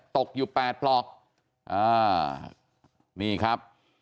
ตกอยู่๘ปลอกนี่ครับ